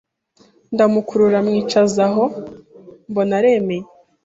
ndamukurura mwiyicazaho, mbona aremeye.